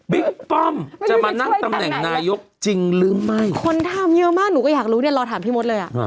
ป้อมจะมานั่งตำแหน่งนายกจริงหรือไม่คนทำเยอะมากหนูก็อยากรู้เนี่ยเราถามพี่มดเลยอ่ะ